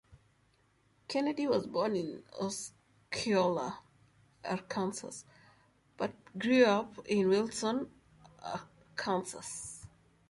Kennedy was born in Osceola, Arkansas, but grew up in Wilson, Arkansas.